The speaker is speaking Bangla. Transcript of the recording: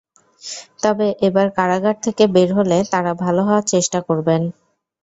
তবে এবার কারাগার থেকে বের হলে তাঁরা ভালো হওয়ার চেষ্টা করবেন।